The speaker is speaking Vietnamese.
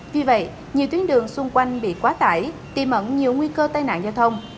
vì vậy nhiều tuyến đường xung quanh bị quá tải tìm ẩn nhiều nguy cơ tai nạn giao thông